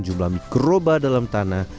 jumlah mikroba dalam tanah